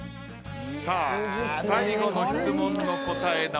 さあ最後の質問の答え